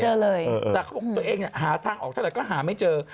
แต่ตัวเองหาทางออกเท่าไหร่ก็หาไม่เจอ